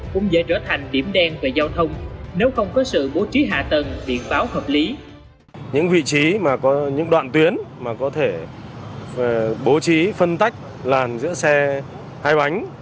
cũng dễ trở thành điểm đen về giao thông nếu không có sự bố trí hạ tầng biển báo hợp lý